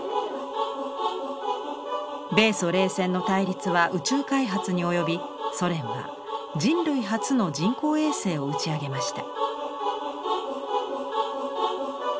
米ソ冷戦の対立は宇宙開発に及びソ連は人類初の人工衛星を打ち上げました。